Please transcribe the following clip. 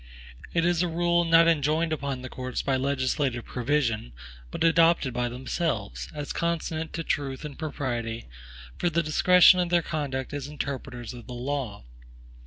It is a rule not enjoined upon the courts by legislative provision, but adopted by themselves, as consonant to truth and propriety, for the direction of their conduct as interpreters of the law.